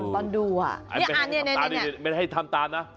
ไม่ได้ให้ทำตามนะ